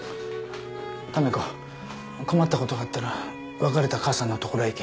試子困った事があったら別れた母さんのところへ行け。